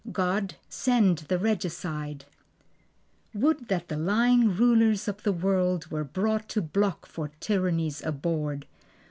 God Send the Regicide Would that the lying rulers of the world Were brought to block for tyrannies abhorred.